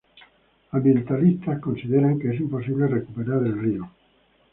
Ambientalistas consideran que es imposible recuperar al río.